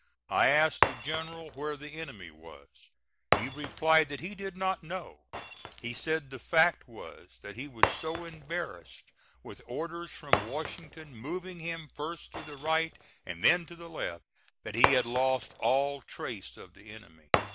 I asked the general where the enemy was. He replied that he did not know. He said the fact was, that he was so embarrassed with orders from Washington moving him first to the right and then to the left that he had lost all trace of the enemy.